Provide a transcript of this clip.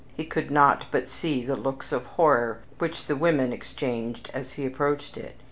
He could not but see the looks of horror which the women exchanged as he approached it.